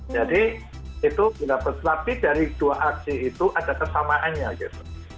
jadi itu tidak berarti dari dua aksi itu ada kesamaannya gitu